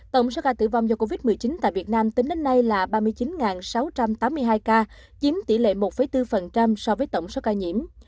tổng số ca tử vong do covid một mươi chín tại việt nam tính đến nay là ba mươi chín sáu trăm tám mươi hai ca chiếm tỷ lệ một bốn so với tổng số ca nhiễm